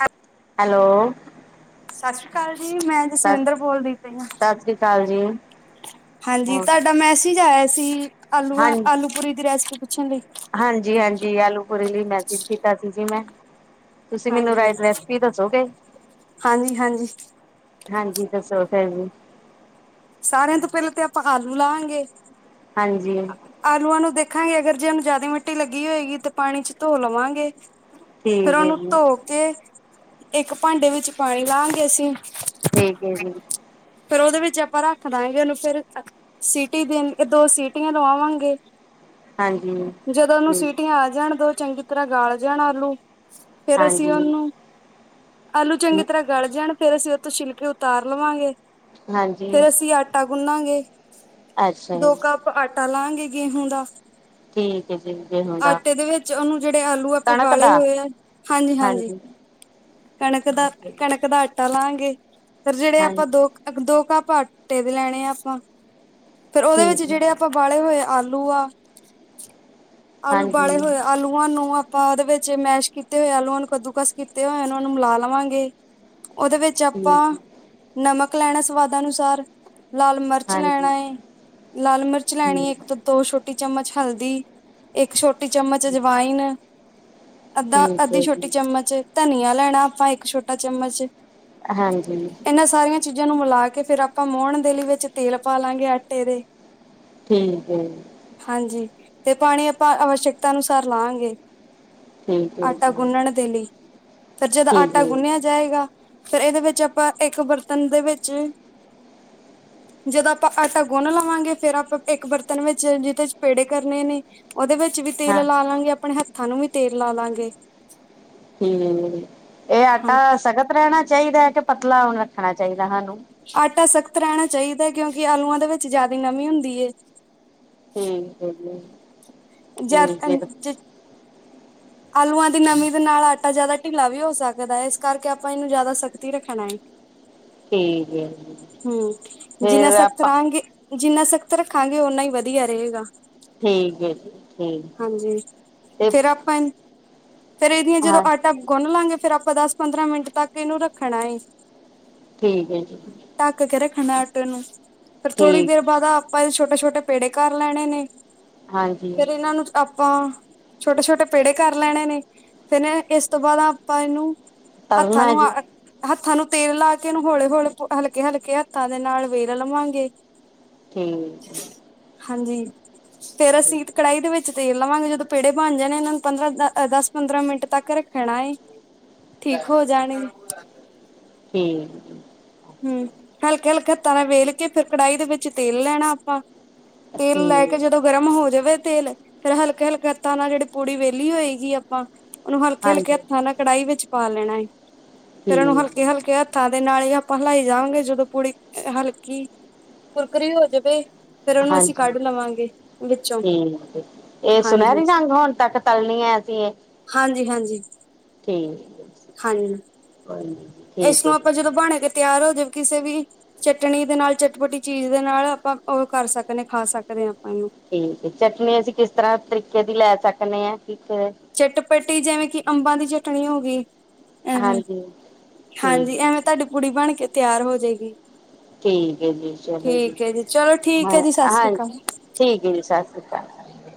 ਹਾਂ ਹੈਲੋ। ਸਤਿ ਸ੍ਰੀ ਅਕਾਲ ਜੀ ।ਮੈਂ ਜਸਵਿੰਦਰ ਸਤਿ ਬੋਲਦੀ ਪਈ ਹਾਂ। ਸ੍ਰੀ ਅਕਾਲ ਜੀ, ਹਾਂਜੀ। ਤੁਹਾਡਾ ਮੈਸੇਜ ਆਇਆ। ਸੀ ਆਲੂਆਂ ਆਲੂ ਪੂਰੀ ਦੀ ਰੈਸਪੀ ਪੁੱਛਣ ਲਈ। ਹਾਂ-ਹਾਂਜੀ, ਹਾਂਜੀ ਆਲੂ-ਪੂਰੀ ਲਈ ਮੈਸੇਜ ਕੀਤਾ ਸੀ ਜੀ ਮੈਂ। ਤੁਸੀਂ ਮੈਨੂੰ ਰ ਹਾਂਜੀ ਰੈਸਪੀ ਦੱਸੋਗੇ ਹਾਂਜੀ ਹਾਂਜੀ ਹਾਂਜੀ। ਦਸੋ ਹੂੰ। ਸਾਰਿਆਂ ਤੋਂ ਪਹਿਲਾਂ ਤੇ ਆਪਾਂ ਆਲੂ ਲਾਂਗੇ ਹਾਂਜੀ ਆਲੂਆਂ ਨੂੰ ਦੇਖ ਦੇਖਾਂਗੇ ਅਗਰ ਜੇ ਉਹਨੂੰ ਜ਼ਿਆਦਾ ਮਿੱਟੀ ਲੱਗੀ ਹੋਏਗੀ। ਤੇ ਪਾਣੀ ਚ ਧੋ ਲਵਾਂਗੇ। ਫੇਿਰ ਠੀਕ ਹੈ ਉਹਨੂੰ ਜੀ, ਧੋ ਕੇ ਇੱਕ ਭਾਂਡੇ ਵਿੱਚ ਪਾਣੀ ਲਾਾਂਗੇ ਅਸੀਂ ਠੀਕ ਹੈ ਜੀ, ਫੇਰ ਉਹਦੇ ਵਿੱਚ ਆਪਾਂ ਰੱਖ ਦਾਂਗੇ ਉਹਨੂੰ ਫੇਰ ਸੀਟੀ ਦੇਣ ਦੋ ਸੀਟੀਆਂ ਲਵਾਵਾਂਗੇ। ਹਾਂਜੀ। ਜਦੋਂ ਉਹਨੂੰ ਠੀਕ, ਸੀਟੀਆਂ ਆ ਜਾਣ ਦੋ ਚੰਗੀ ਤਰ੍ਹਾਂ ਗਾਲ ਜਾਣ ਆਲੂ ਫੇਰ ਅਸੀਂ ਹਾਂਜੀ, ਉਹਨੂੰ ਆਲੂ ਚੰਗੀ ਤਰ੍ਹਾਂ ਗਲ ਜਾਣ ਫੇਰ ਅਸੀਂ ਉਹ ਤੋਂੋਂ ਛਿਲਕੇ ਉਤਾਰ ਲਵਾਂਗੇ। ਹਾਂਜੀ। ਗੁੰਨਾਗੇ ਅੱਛਾ ਦੋ ਜੀ, ਕੱਪ ਆਟਾ ਲਾਂਗੇ ਗੇਹੂੰ ਦਾ। ਠੀਕ ਏ। ਆਟੇ ਦੇ ਵਿੱਚ ਉਹਨੂੰ ਜਿਹੜੇ ਆਲੂ ਆਪਾਂ ਕਣਕ ਦਾ, ਬਾਲੇ ਹੋਏ ਆ ਹਾਂਜੀ ਹਾਂਜੀ। ਕਣਕ ਦਾ ਠੀਕ ਹੈ, ਕਣਕ ਦਾ ਆਟਾ ਲਾਂਗੇ। ਫ ਜਿਹੜੇ ਹਾਂਜੀ ਆਪਾਂ ਦੋ--ਦੋ ਕੱਪ ਆਟੇ ਦੇ ਲੈਣੇ ਆ ਆਪਾਂ ਫਿਰ ਉਹਦੇ ਵਿੱਚ ਠੀਕ ਹੈ, ਜਿਹੜੇ ਆਪਾਂ ਬਾਲੇ ਹੋਏ ਆ ਆਲੂ ਆ। ਆਲੂ ਬਾਲੇ ਹਾਂਜੀ ਹੋਏ ਆਲੂਆਂ ਨੂੰ ਆਪਾਂ ਉਹਦੇ ਵਿੱਚ ਮੈਸ਼ ਕੀਤੇ ਹੋਏ ਆਲੂਆਂ ਨੂੰ ਕੱਦੂਕਸ ਕੀਤੇ ਹੋਏ ਉਹ ਨੂੰ ਮਿਲਾ ਲਵਾਂਗੇ। ਉਹਦੇ ਵਿੱਚ ਆਪਾਂ ਠੀਕ, ਹੈ, ਨਮਕ ਲੈਣਾ ਸਵਾਦ ਅਨੁਸਾਰ- ਲਾਲ ਮਿਰਚ ਹਾਂਜੀ ਲੈਣਾ ਹੈ ਲਾਲ ਮਿਰਚ ਲੈਣੀ ਹੈ ਠੀਕ, ਇੱਕ ਤੋਂ ਦੋ ਛੋਟੀ ਚਮਚ ਹਲਦੀ, ਇੱਕ ਛੋਟੀ ਚਮਚ ਅਜਵਾਇਨ ਠੀਕ ਅੱਧਾ-ਅੱਧੀ ਹੈ ਛੋਟੀ ਜੀ। ਚਮਚ ਧਨੀਆ ਲੈਣਾ ਆਪਾਂ ਇੱਕ ਛੋਟਾ ਚਮਚ- ਹਾਂਜੀ। ਦੂਜਿਆਂ ਨੂੰ ਮਿਲਾ ਕੇ ਫੇਿਰ ਆਪਾਂ ਮੋਣ ਦੇ ਲਈ ਵਿੱਚ ਤੇਲ ਪਾ ਲਾਂਗੇ ਆਟੇ ਦੇ- ਠੀਕ ਏ। ਹਾਂਜੀ ਤੇ ਪਾਣੀ ਆਪਾਂ ਅਵਸ਼ਕਤਾ ਅਨੁਸਾਰ ਲਾਂਗੇ। ਠੀਕ ਹੈ ਆਟਾ ਜੀ ਗੁੰਨਣ ਦੇ ਲਈ ਫੇਰ ਜਦੋਂ ਠੀਕ ਆਟਾ ਗੁੰਨਿਆ ਹੈ ਜਾਏਗਾ। ਫਿਰ ਇਹਦੇ ਵਿੱਚ ਆਪਾਂ ਇੱਕ ਬਰਤਨ ਦੇ ਵਿੱਚ- ਜਦੋਂ ਆਪਾਂ ਆਟਾ ਗੁੰਨ ਲਾਵਾਂਗੇ ਫੇਰ ਆਪਾਂ ਇੱਕ ਬਰਤਨ ਵਿੱਚ ਜਿਹਦੇ ਚ ਪੇੜੇ ਕਰਨੇ ਨੇ- ਉਹਦੇ ਵਿੱਚ ਵੀ ਹਾਂ ਤੇਲ ਲਾ ਲਾਂਗੇ ਆਪਣੇ ਹੱਥਾਂ ਨੂੰ ਵੀ ਤੇਲ ਲਾਲਾਂਗੇ। ਹੂੰ, ਇਹ ਹਾਂ ਆਟਾ ਸਖਤ ਰਹਿਣਾ ਚਾਹੀਦਾ ਹੈ ਕਿ ਪਤਲਾ ਰੱਖਣਾ ਚਾਹੀਦਾ ਸਾਨੂੰ- ਆਟਾ ਸਖਤ ਰਹਿਣਾ ਚਾਹੀਦਾ ।ਕਿਉਂਕਿ ਆਲੂਆਂ ਦੇ ਵਿੱਚ ਜਿਆਦਾ ਨਮੀ ਹੁੰਦੀ ਏ। ਠੀਕ। ਜੀ ਠੀਕ ਜਾਰਖੰ ਹੈ [unintelligible] ਆਲੂਆਂ ਦੀ ਨਮੀ ਦੇ ਨਾਲ, ਆਟਾ ਜਿਆਦਾ ਢਿੱਲਾ ਵੀ ਹੋ ਸਕਦਾ ਹੈ। ਇਸ ਕਰਕੇ ਆਪਾਂ ਇਹਨੂੰ ਜ਼ਿਆਦਾ, ਸਖਤ ਹੀ ਰੱਖਣਾ ਹੈ। ਠੀਕ ਹੈ ਜੀ ਹੂੰ, ਜਿੰਨਾ ਫੇਰ ਸਖਤ ਆਪਾਂ ਰਹਾਂਗੇ, ਜਿੰਨਾ ਸਖ਼ਤ! ਰੱਖਾਂਗੇ ਓਨਾਂ ਹੀ ਵਧੀਆ ਰਹੇਗਾ। ਠੀਕ ਹੈ ਜੀ ਠੀਕ ਹਾਂਜੀ, ਤੇ ਫਿਰ ਆਪਾਂ ਫੇਰ ਇਹਦੀਆਂ ਜਦੋਂ ਹਾਂ ਆਟਾ ਗੁੰਨ ਲਾਂਗੇ? ਫਿਰ ਆਪਾਂ ਦਸ ਪੰਦਰਾਂ ਮਿੰਟ ਤੱਕ ਇਹਨੂੰ ਰੱਖਣਾ ਹੈ। ਠੀਕ ਹੈ ਜੀ! ਗੁਨਨਾ ਹੈ ਆਟੇ ਨੂੰ। ਫਿਰ ਥੋੜੀ ਠੀਕ ਦੇਰ ਬਾਅਦ ਆਪਾਂ ਛੋਟੇ-ਛੋਟੇ ਪੇੜੇ ਕਰ ਲੈਣੇ ਨੇ। ਹਾਂਜੀ ਫਿਰ ਇਹਨਾਂ ਨੂੰ ਆਪਾਂ, ਛੋਟੇ-ਛੋਟੇ ਪੇੜੇ ਕਰ ਲੈਣੇ ਨੇ, ਫਿਨ ਇਸ ਤੋਂ ਬਾਅਦ ਆਪਾਂ ਇਹਨੂੰ ਹੱਥਾਂ ਤਲਣਾ ਨੂੰ, ਜੀ ਆ ਹੱਥਾਂ ਨੂੰ, ਤੇਲ ਲਾ ਕੇ ਉਹਨੂੰ ਹੌਲੀ-ਹੌਲੀਹਲਕੇ ਹਲਕੇ ਹੱਥਾਂ ਦੇ ਨਾਲ ਵੇਰ ਲਵਾਂਗੇ? ਠੀਕ ਹੈ? ਫਿਰ ਅਸੀਂ ਕੜਾਹੀ ਦੇ ਵਿੱਚ ਤੇਲ ਲਵਾਂਗੇ, ਜਦੋਂ ਪੇੜੇ ਬਣ ਜਾਣੇ ਇਹਨਾਂ ਨੂੰ? ਪੰਦਰਾਂ ਦਸ ਪੰਦਰਾਂ ਮਿੰਟ ਤੱਕ ਰੱਖਣਾ ਐ। ਠੀਕ ਹੋ ਜਾਣਗੇ। ਠੀਕ! ਹੂੰ ਹਲਕੇ-ਹਲਕੇ ਹੱਥਾਂ ਨਾਲ ਵੇਲ ਕੇ, ਫਿਰ ਕੜਾਹੀ ਦੇ ਵਿੱਚ ਤੇਲ ਲੈਣਾ ਆਪਾਂ। ਤੇਲ ਲੈ ਕੇ ਠੀਕ ਜਦੋਂ, ਗਰਮ ਹੋ ਜਾਵੇ ਤੇਲ, ਫਿਰ ਹਲਕੇ- ਹਲਕੇ ਹੱਥਾਂ ਨਾਲ ਜਿਹੜੀ ਪੂੜੀ ਵਿਹਲੀ ਹੋਏਗੀ ਆਪਾਂ ਉਹਨੂੰ ਹਲਕੇ- ਹਲਕੇ ਹਾਂਜੀ ਹੱਥਾਂ ਨਾਲ ਕੜਾਹੀ ਵਿੱਚ ਪਾ ਲੈਣਾ ਹੈ। ਫਿਰ ਉਹਨੂੰ ਠੀਕ ਹਲਕੇ-ਹਲਕੇ ਹੱਥਾਂ ਦੇ ਨਾਲ ਹੀ, ਆਪਾਂ ਹਿਲਾਈ ਜਾਵਾਂਗੇ, ਜਦੋਂ ਪੂੜੀ ਹਲਕੀ ਕੁੁਰਕਰੀ ਹੋ ਜਾਵੇ। ਫੇਰ ਉਹਨੂੰ ਅਸੀਂ ਹਾਂਜੀ! ਕੱਢ ਲਵਾਂਗੇ ਵਿੱਚੋਂ ਠੀਕ ਹੈ। ਇਹ ਹਾਂਜੀ ਸੁਨਹਿਰੀ ਰੰਗ ਹੋਣ ਤੱਕ ਤਲਣੀ ਹੈ? [unintelligible] ਹਾਂਜੀ-ਹਾਂਜੀ, ਠੀਕ ਹੈ ਜੀ! ਕੋਈ ਨਾ? ਇਸ ਨੂੰ ਆਪਾਂ ਜਦੋਂ ਬ ਬਣ ਕੇ ਤਿਆਰ ਹੋ ਜਾਵੇ। ਕਿਸੇ ਵੀ ਚਟਣੀ ਦੇ ਨਾਲ, ਚਟਪਟੀ ਚੀਜ਼ ਦੇ ਨਾਲ, ਆਪਾਂ ਉਹ ਕਰ ਸਕਦੇ ਖਾ। ਸਕਨੇ ਹਾਂ। ਇਹਨੂੰ ਠੀਕ! ਚਟਨੀ ਅਸੀਂ ਕਿਸ ਤਰ੍ਹਾਂ ਤਰੀਕੇ ਦੀ ਲੈ ਸਕਨੇ ਹਾਂ। ਠੀਕ ਹੈ ਚਟਪਟੀ, ਜਿਵੇਂ ਕਿ ਅੰਬਾਂ ਦੀ ਚਟਣੀ ਹੋ ਗਈ। ਐਵੇਂ? ਹਾਂਜੀ ਹਾਂਜੀ ਐਵੇਂ ਠੀਕ ਤੁਹਾਡੀ ਪੁੜੀ ਬਣ ਕੇ ਤਿਆਰ ਹੋ ਜਾਏਗੀ। ਠੀਕ ਹੈ ਜੀ, ਚਲੋ ਜੀ। ਠੀਕ ਹੈ ਚਲੋ ਠੀਕ ਹੈ ਜੀ ਸਤਿ ਸ੍ਰੀ ਹਾਂ-ਹਾਂ ਅਕਾਲ ਠੀਕ ਹੈ ਜੀ। ਸਤਿ ਸ੍ਰੀ ਅਕਾਲ।